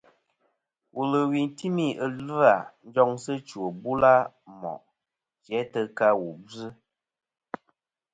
Wulwi timi ɨ̀lvɨ-a njoŋsɨ chwò bula mo' jæ tɨ ka wu bvɨ.